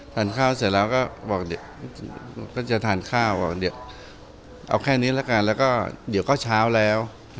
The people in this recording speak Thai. ทานข้าวเสร็จแล้วก็จะทานข้าวเอาแค่นี้แล้วก็เดี๋ยวก็เช้าแล้ว